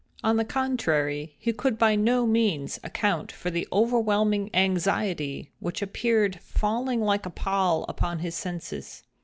On the contrary, he could by no means account for the overwhelming anxiety which appeared falling like a pall upon his senses.